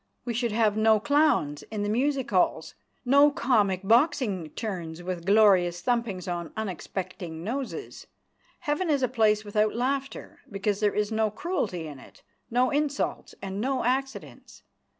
We should have no clowns in the music halls no comic boxing turns with glorious thumpings on unexpecting noses. Heaven is a place without laughter because there is no cruelty in it no insults and no accidents.